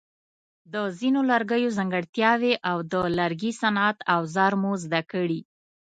د ځینو لرګیو ځانګړتیاوې او د لرګي صنعت اوزار مو زده کړي.